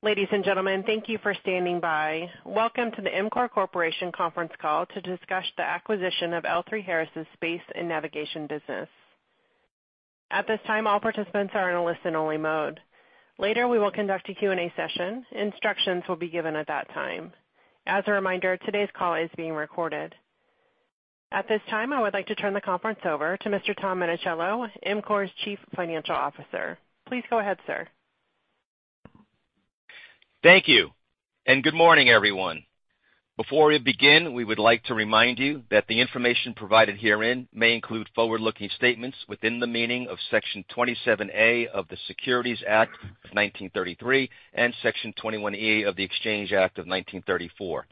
Ladies and gentlemen, thank you for standing by. Welcome to the EMCORE Corporation conference call to discuss the acquisition of L3Harris' Space and Navigation business. At this time, all participants are in a listen-only mode. Later, we will conduct a Q&A session. Instructions will be given at that time. As a reminder, today's call is being recorded. At this time, I would like to turn the conference over to Mr. Tom Minichiello, EMCORE's Chief Financial Officer. Please go ahead, sir. Thank you, and good morning, everyone. Before we begin, we would like to remind you that the information provided herein may include forward-looking statements within the meaning of Section 27A of the Securities Act of 1933 and Section 21E of the Exchange Act of 1934.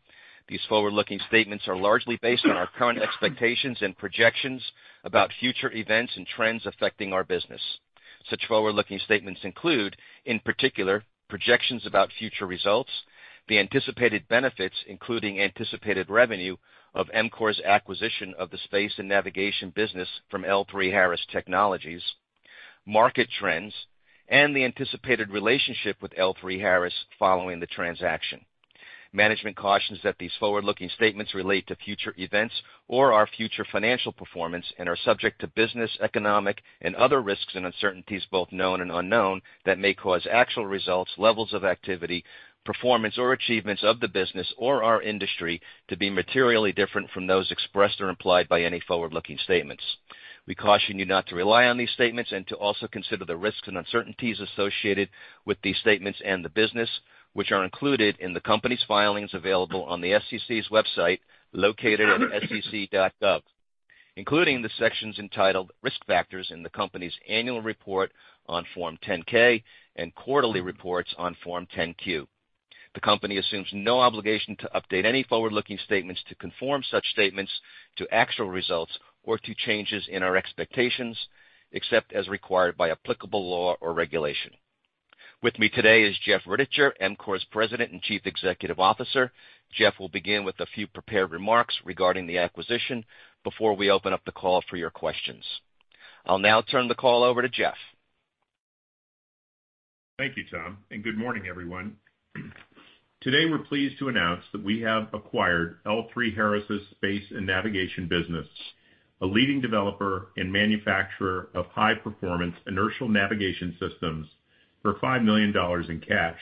These forward-looking statements are largely based on our current expectations and projections about future events and trends affecting our business. Such forward-looking statements include, in particular, projections about future results, the anticipated benefits, including anticipated revenue of EMCORE's acquisition of the Space and Navigation business from L3Harris Technologies, market trends, and the anticipated relationship with L3Harris following the transaction. Management cautions that these forward-looking statements relate to future events or our future financial performance and are subject to business, economic, and other risks and uncertainties, both known and unknown, that may cause actual results, levels of activity, performance, or achievements of the business or our industry to be materially different from those expressed or implied by any forward-looking statements. We caution you not to rely on these statements and to also consider the risks and uncertainties associated with these statements and the business, which are included in the company's filings available on the SEC's website, located at sec.gov, including the sections entitled Risk Factors in the company's annual report on Form 10-K and quarterly reports on Form 10-Q. The company assumes no obligation to update any forward-looking statements to conform such statements to actual results or to changes in our expectations, except as required by applicable law or regulation. With me today is Jeff Rittichier, EMCORE's President and Chief Executive Officer. Jeff will begin with a few prepared remarks regarding the acquisition before we open up the call for your questions. I'll now turn the call over to Jeff. Thank you, Tom, and good morning, everyone. Today, we're pleased to announce that we have acquired L3Harris' Space and Navigation business, a leading developer and manufacturer of high-performance inertial navigation systems, for $5 million in cash.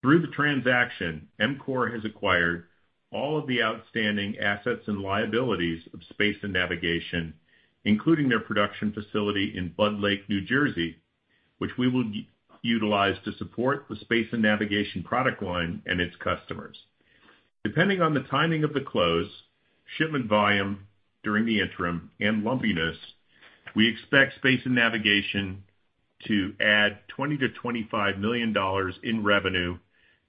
Through the transaction, EMCORE has acquired all of the outstanding assets and liabilities of Space and Navigation, including their production facility in Budd Lake, New Jersey, which we will utilize to support the Space and Navigation product line and its customers. Depending on the timing of the close, shipment volume during the interim, and lumpiness, we expect Space and Navigation to add $20 million-$25 million in revenue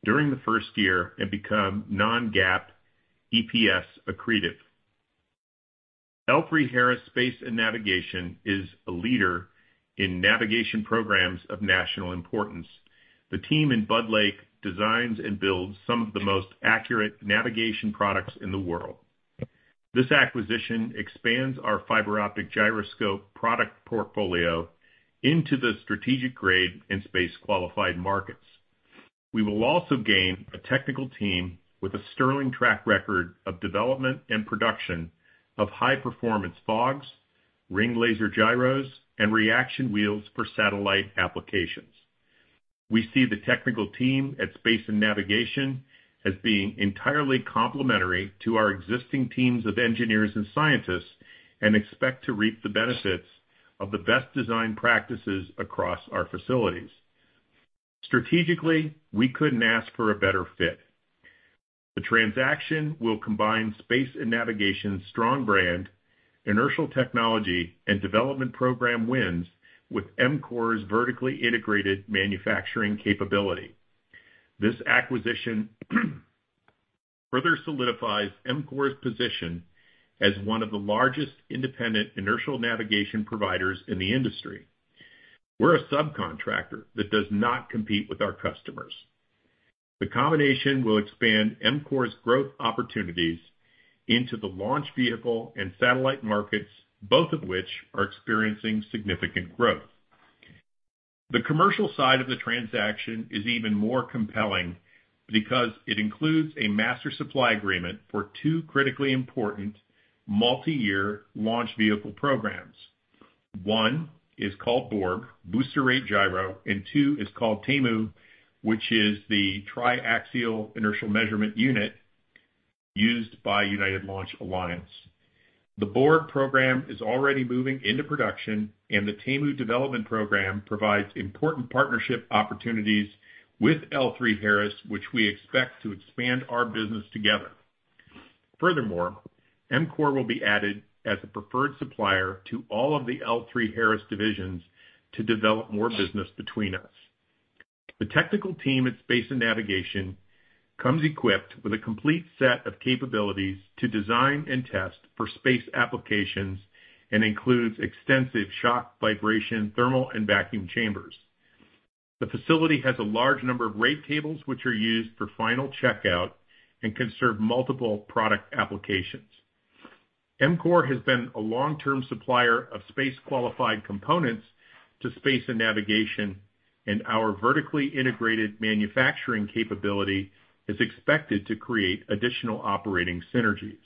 during the first year and become non-GAAP EPS accretive. L3Harris Space and Navigation is a leader in navigation programs of national importance. The team in Budd Lake designs and builds some of the most accurate navigation products in the world. This acquisition expands our fiber optic gyroscope product portfolio into the strategic-grade and space-qualified markets. We will also gain a technical team with a sterling track record of development and production of high-performance FOGs, ring laser gyros, and reaction wheels for satellite applications. We see the technical team at Space and Navigation as being entirely complementary to our existing teams of engineers and scientists and expect to reap the benefits of the best design practices across our facilities. Strategically, we couldn't ask for a better fit. The transaction will combine Space and Navigation's strong brand, inertial technology, and development program wins with EMCORE's vertically integrated manufacturing capability. This acquisition further solidifies EMCORE's position as one of the largest independent inertial navigation providers in the industry. We're a subcontractor that does not compete with our customers. The combination will expand EMCORE's growth opportunities into the launch vehicle and satellite markets, both of which are experiencing significant growth. The commercial side of the transaction is even more compelling because it includes a master supply agreement for two critically important multiyear launch vehicle programs. One is called BoRG, Booster Rate Gyro, and two is called TAIMU, which is the Tri-Axial Inertial Measurement Unit used by United Launch Alliance. The BoRG program is already moving into production, and the TAIMU development program provides important partnership opportunities with L3Harris, which we expect to expand our business together. Furthermore, EMCORE will be added as a preferred supplier to all of the L3Harris divisions to develop more business between us. The technical team at Space and Navigation comes equipped with a complete set of capabilities to design and test for space applications and includes extensive shock, vibration, thermal, and vacuum chambers. The facility has a large number of rate tables, which are used for final checkout and can serve multiple product applications. EMCORE has been a long-term supplier of space-qualified components to Space and Navigation, and our vertically integrated manufacturing capability is expected to create additional operating synergies.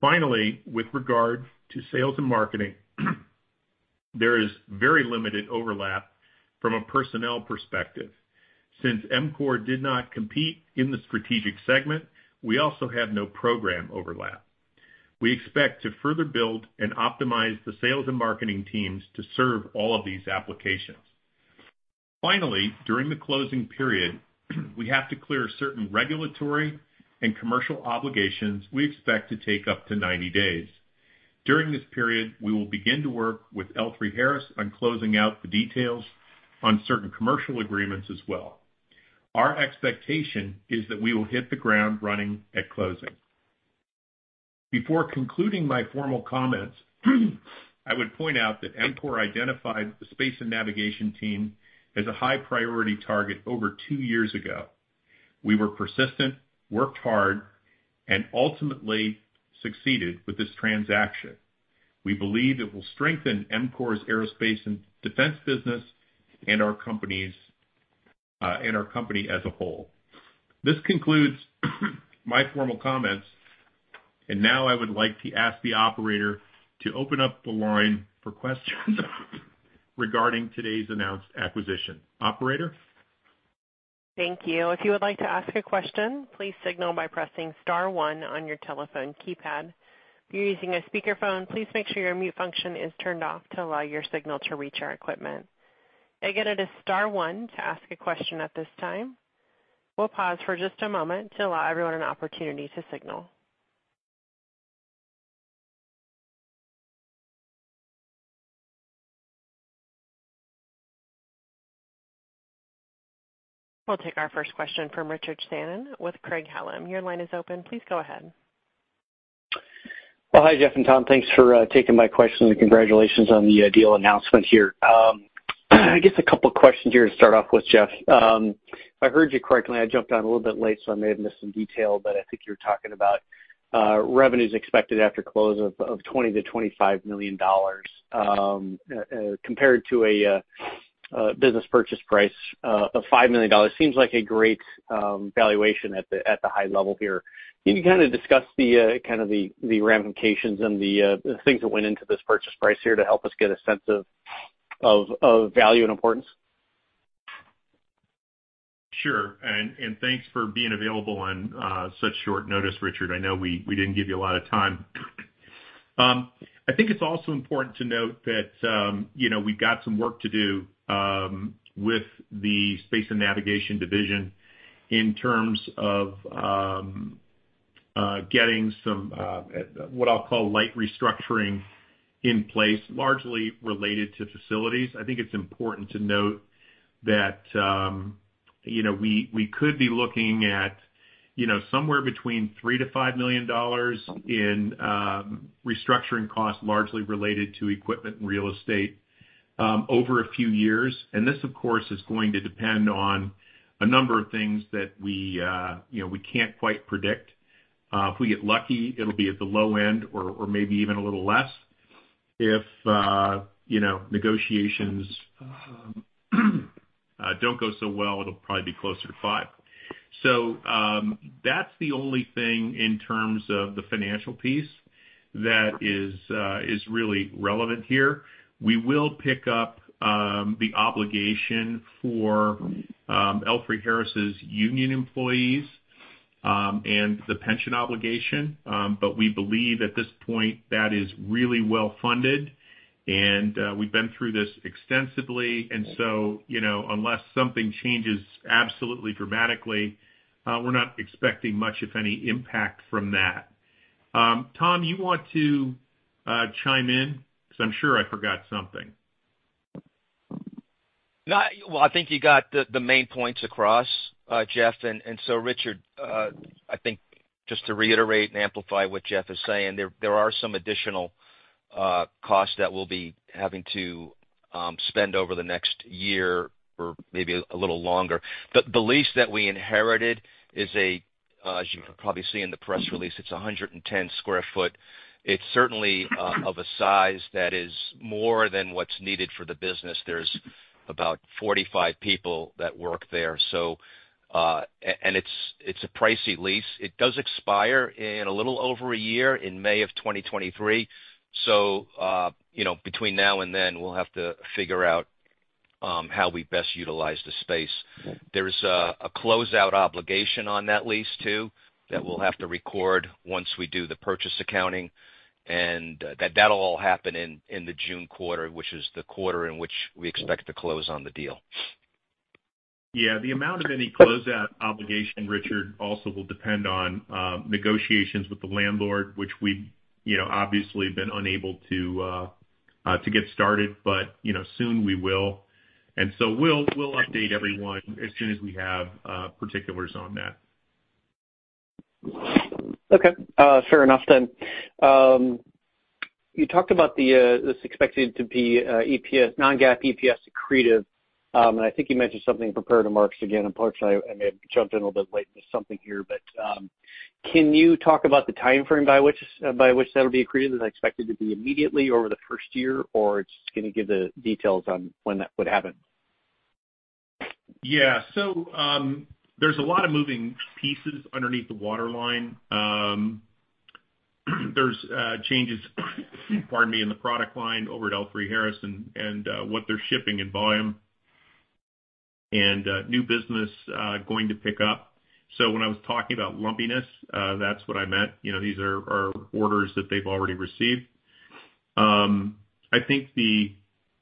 Finally, with regard to sales and marketing, there is very limited overlap from a personnel perspective. Since EMCORE did not compete in the strategic segment, we also have no program overlap. We expect to further build and optimize the sales and marketing teams to serve all of these applications. Finally, during the closing period, we have to clear certain regulatory and commercial obligations we expect to take up to 90 days. During this period, we will begin to work with L3Harris on closing out the details on certain commercial agreements as well. Our expectation is that we will hit the ground running at closing. Before concluding my formal comments, I would point out that EMCORE identified the Space and Navigation team as a high-priority target over two years ago. We were persistent, worked hard, and ultimately succeeded with this transaction. We believe it will strengthen EMCORE's aerospace and defense business and our company's, and our company as a whole. This concludes my formal comments, and now I would like to ask the operator to open up the line for questions regarding today's announced acquisition. Operator? Thank you. If you would like to ask a question, please signal by pressing star one on your telephone keypad. If you're using a speakerphone, please make sure your mute function is turned off to allow your signal to reach our equipment. Again, it is star one to ask a question at this time. We'll pause for just a moment to allow everyone an opportunity to signal. We'll take our first question from Richard Shannon with Craig-Hallum. Your line is open. Please go ahead. Well, hi, Jeff and Tom. Thanks for taking my question, and congratulations on the deal announcement here. I guess a couple questions here to start off with, Jeff. If I heard you correctly, I jumped on a little bit late, so I may have missed some detail, but I think you were talking about revenues expected after close of $20 million-$25 million compared to a business purchase price of $5 million. Seems like a great valuation at the high level here. Can you kinda discuss the kind of ramifications and the things that went into this purchase price here to help us get a sense of value and importance? Sure. Thanks for being available on such short notice, Richard. I know we didn't give you a lot of time. I think it's also important to note that, you know, we've got some work to do with the Space and Navigation Division in terms of getting some what I'll call light restructuring in place, largely related to facilities. I think it's important to note that, you know, we could be looking at, you know, somewhere between $3 million-$5 million in restructuring costs, largely related to equipment and real estate, over a few years. This, of course, is going to depend on a number of things that we, you know, can't quite predict. If we get lucky, it'll be at the low end or maybe even a little less. If you know, negotiations don't go so well, it'll probably be closer to five. That's the only thing in terms of the financial piece that is really relevant here. We will pick up the obligation for L3Harris' union employees and the pension obligation. We believe at this point that it is really well-funded, and we've been through this extensively. You know, unless something changes absolutely dramatically, we're not expecting much, if any, impact from that. Tom, you want to chime in? 'Cause I'm sure I forgot something. No. Well, I think you got the main points across, Jeff. Richard, I think just to reiterate and amplify what Jeff is saying, there are some additional costs that we'll be having to spend over the next year or maybe a little longer. The lease that we inherited is, as you can probably see in the press release, it's 110 sq ft. It's certainly of a size that is more than what's needed for the business. There are about 45 people who work there. And it's a pricey lease. It does expire in a little over a year, in May 2023. You know, between now and then, we'll have to figure out how we best utilize the space. There is a closeout obligation on that lease too, that we'll have to record once we do the purchase accounting. That'll all happen in the June quarter, which is the quarter in which we expect to close on the deal. Yeah. The amount of any closeout obligation, Richard, also will depend on negotiations with the landlord, which we've, you know, obviously been unable to get started, but, you know, soon we will. We'll update everyone as soon as we have particulars on that. Okay. Fair enough then. You talked about this expected to be EPS, non-GAAP EPS accretive, and I think you mentioned something in prepared remarks again. Unfortunately, I may have jumped in a little bit late into something here, but can you talk about the timeframe by which that'll be accretive? Is that expected to be immediately or over the first year, or just can you give the details on when that would happen? Yeah. There's a lot of moving pieces underneath the waterline. There's changes, pardon me, in the product line over at L3Harris and what they're shipping in volume and new business going to pick up. When I was talking about lumpiness, that's what I meant. You know, these are orders that they've already received. I think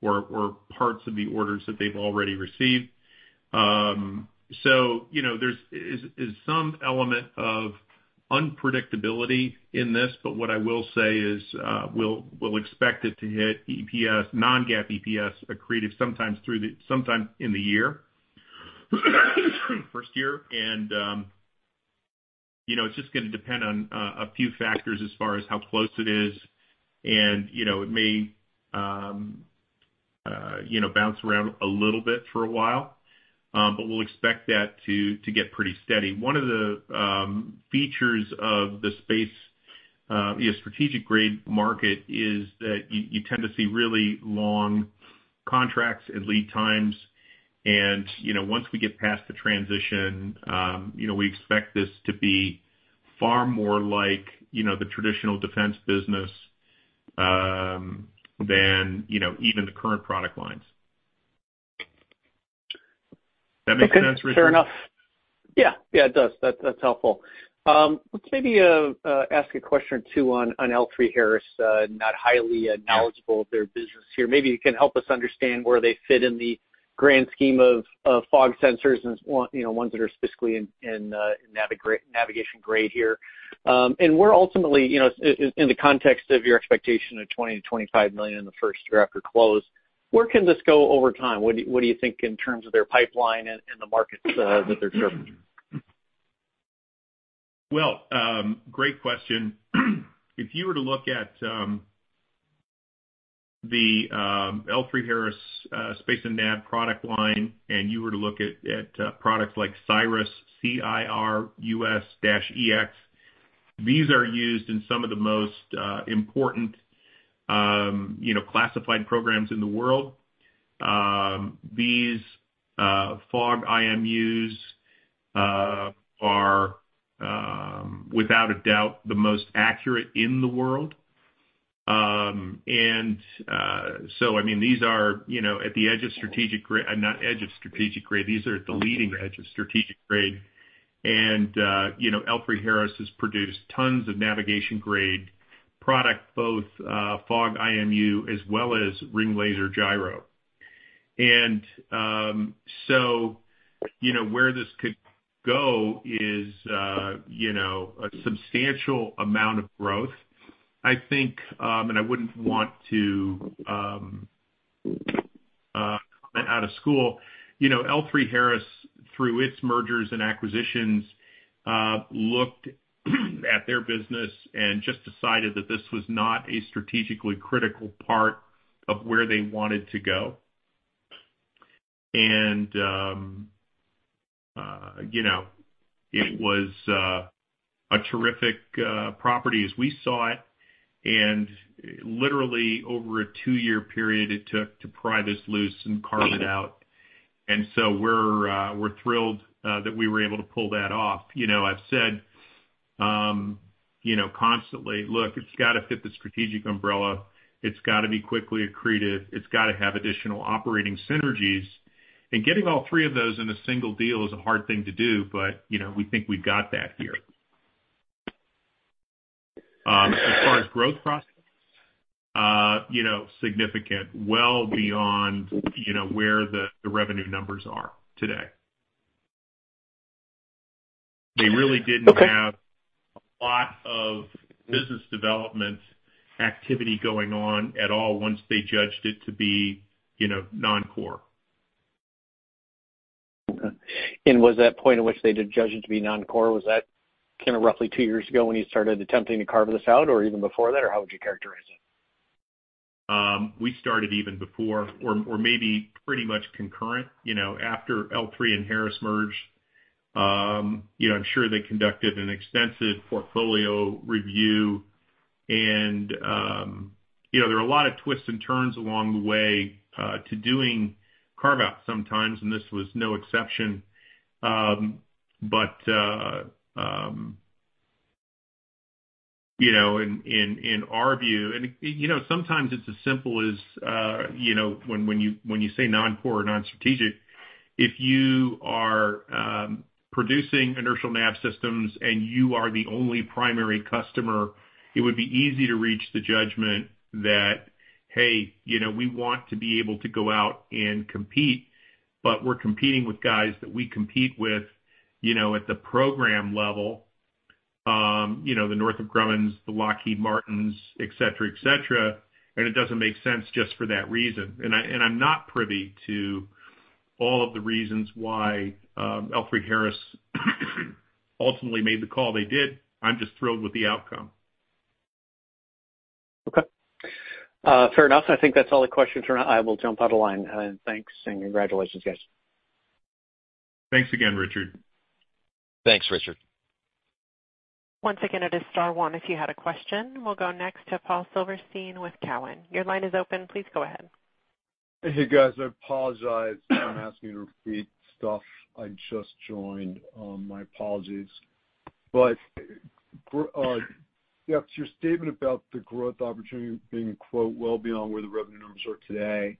of parts of the orders that they've already received. You know, is some element of unpredictability in this, but what I will say is, we'll expect it to hit EPS, non-GAAP EPS accretive sometime in the year, first year. You know, it's just gonna depend on a few factors as far as how close it is. You know, it may bounce around a little bit for a while, but we'll expect that to get pretty steady. One of the features of the space strategic-grade market is that you tend to see really long contracts and lead times. You know, once we get past the transition, you know, we expect this to be far more like you know, the traditional defense business than you know, even the current product lines. That make sense, Richard? Okay. Fair enough. Yeah, it does. That's helpful. Let's maybe ask a question or two on L3Harris, not highly knowledgeable of their business here. Maybe you can help us understand where they fit in the grand scheme of FOG sensors and, you know, ones that are specifically in navigation grade here. And where ultimately, you know, in the context of your expectation of $20 million-$25 million in the first year after close, where can this go over time? What do you think in terms of their pipeline and the markets that they're serving? Well, great question. If you were to look at the L3Harris Space and Navigation product line, and you were to look at products like CIRUS-EX, these are used in some of the most important, you know, classified programs in the world. These FOG IMUs are without a doubt the most accurate in the world. I mean, these are, you know, at the leading edge of strategic grade. L3Harris has produced tons of navigation grade product, both FOG IMU as well as ring laser gyro. You know, where this could go is a substantial amount of growth. I think I wouldn't want to speak out of school. You know, L3Harris, through its mergers and acquisitions, looked at their business and just decided that this was not a strategically critical part of where they wanted to go. You know, it was a terrific property as we saw it, and literally over a two-year period it took to pry this loose and carve it out. So we're thrilled that we were able to pull that off. You know, I've said you know constantly, look, it's gotta fit the strategic umbrella. It's gotta be quickly accretive. It's gotta have additional operating synergies. Getting all three of those in a single deal is a hard thing to do, but you know, we think we've got that here. As far as growth prospects, you know, significant, well beyond, you know, where the revenue numbers are today. They really didn't- Okay... have a lot of business development activity going on at all once they judged it to be, you know, non-core. Okay. Was that point at which they did judge it to be non-core, was that kind of roughly two years ago, when you started attempting to carve this out, or even before that, or how would you characterize it? We started even before or maybe pretty much concurrent, you know, after L3 and Harris merged. You know, I'm sure they conducted an extensive portfolio review and, you know, there are a lot of twists and turns along the way to doing a product out sometimes, and this was no exception. You know, in our view, sometimes it's as simple as, you know, when you say non-core or non-strategic, if you are producing inertial nav systems and you are the only primary customer, it would be easy to reach the judgment that, hey, you know, we want to be able to go out and compete, but we're competing with guys that we compete with, you know, at the program level. You know, the Northrop Grumman, the Lockheed Martin, et cetera, et cetera, and it doesn't make sense just for that reason. I'm not privy to all of the reasons why L3Harris ultimately made the call they did. I'm just thrilled with the outcome. Okay. Fair enough. I think that's all the questions for now. I will jump out online. Thanks, and congratulations, guys. Thanks again, Richard. Thanks, Richard. Once again, it is star one if you have a question. We'll go next to Paul Silverstein with Cowen. Your line is open. Please go ahead. Hey, guys. I apologize, I'm asking you to repeat stuff. I just joined. My apologies. Yeah, to your statement about the growth opportunity being, quote, "well beyond where the revenue numbers are today,"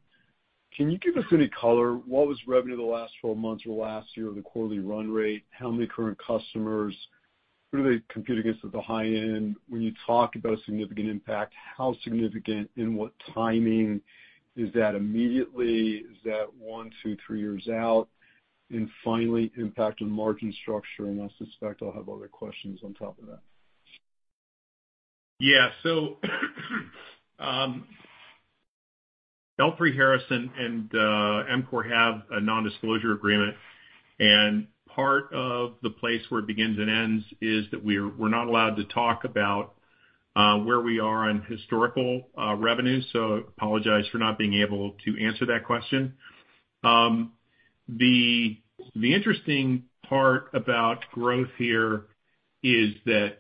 can you give us any color? What was the revenue for the last 12 months or last year, the quarterly run rate? How many current customers? Who do they compete against at the high end? When you talk about significant impact, how significant and what timing? Is that immediately? Is that one to three years out? And finally, impact on margin structure, and I suspect I'll have other questions on top of that. L3Harris and EMCORE have a non-disclosure agreement, and part of the place where it begins and ends is that we're not allowed to talk about where we are on historical revenue. I apologize for not being able to answer that question. The interesting part about growth here is that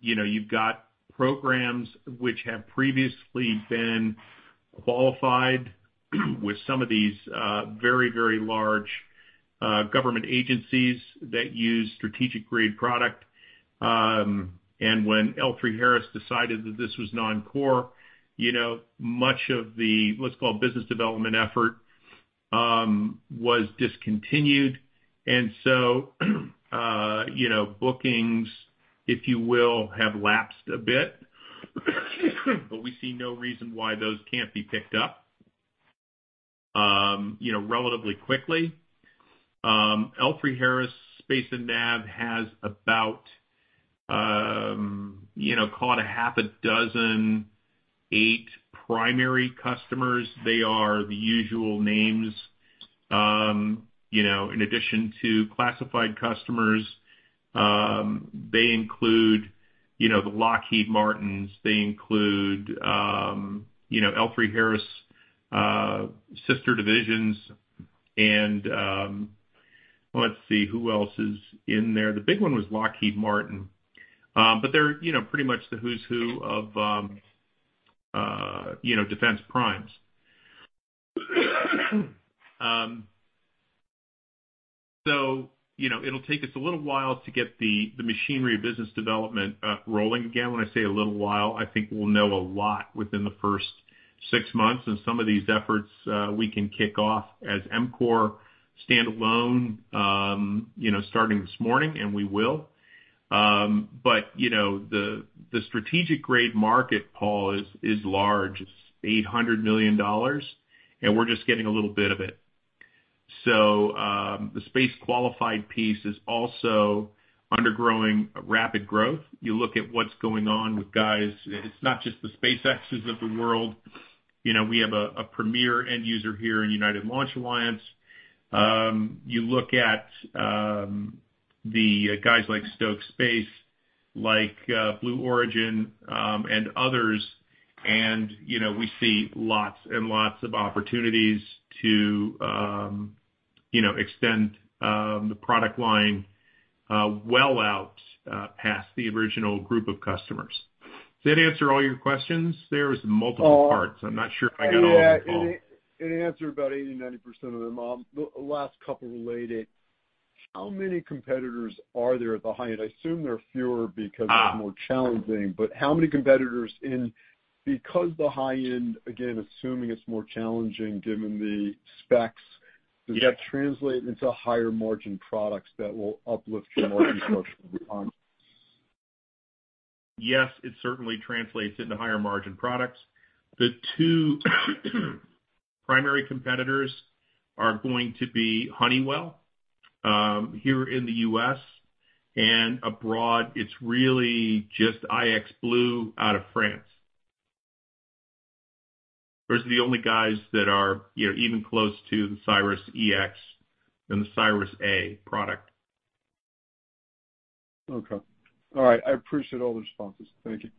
you know, you've got programs which have previously been qualified with some of these very large government agencies that use strategic-grade product. When L3Harris decided that this was non-core, you know, much of the, let's call, business development effort was discontinued. Bookings, if you will, have lapsed a bit, but we see no reason why those can't be picked up, you know, relatively quickly. L3Harris Space and Nav has about, you know, call it 6-8 primary customers. They are the usual names. You know, in addition to classified customers, they include, you know, the Lockheed Martins. They include, you know, L3Harris sister divisions. Let's see who else is in there. The big one was Lockheed Martin. But they're, you know, pretty much the who's who of, you know, defense primes. You know, it'll take us a little while to get the machinery of business development rolling again. When I say a little while, I think we'll know a lot within the first six months. Some of these efforts, we can kick off as EMCORE standalone, you know, starting this morning, and we will. You know, the strategic-grade market, Paul, is large. It's $800 million, and we're just getting a little bit of it. The space-qualified piece is also undergoing rapid growth. You look at what's going on with guys. It's not just the SpaceX's of the world. You know, we have a premier end user here in United Launch Alliance. You look at the guys like Stoke Space, like Blue Origin, and others, and you know, we see lots and lots of opportunities to extend the product line well out past the original group of customers. Does that answer all your questions there? There's multiple parts. I'm not sure if I got all of them, Paul. Yeah. It answered about 80%-90% of them. The last couple of related. How many competitors are there at the high end? I assume they're fewer because it's more challenging. How many competitors? Because the high end, again, assuming it's more challenging given the specs. Yeah. Does that translate into higher margin products that will uplift your margin structure over time? Yes, it certainly translates into higher margin products. The two primary competitors are going to be Honeywell, here in the U.S., and abroad, it's really just iXblue out of France. Those are the only guys that are even close to the CIRUS-EX and the CIRUS-A product. Okay. All right. I appreciate all the responses. Thank you.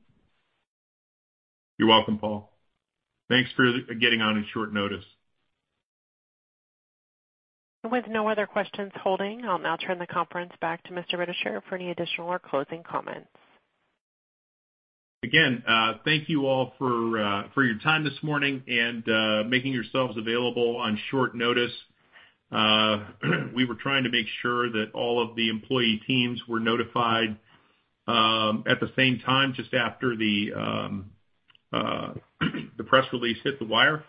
You're welcome, Paul. Thanks for getting on at short notice. With no other questions holding, I'll now turn the conference back to Mr. Rittichier for any additional or closing comments. Again, thank you all for your time this morning and for making yourselves available on short notice. We were trying to make sure that all of the employee teams were notified at the same time, just after the press release hit the wire,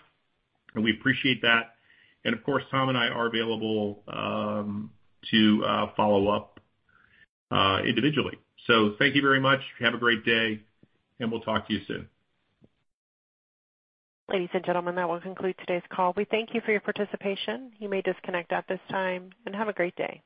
and we appreciate that. Of course, Tom and I are available to follow up individually. Thank you very much. Have a great day, and we'll talk to you soon. Ladies and gentlemen, that will conclude today's call. We thank you for your participation. You may disconnect at this time and have a great day.